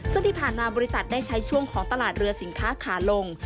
ซึ่งที่ผ่านมาบริษัทได้ใช้ช่วงของตลาดเรือสินค้าขาลง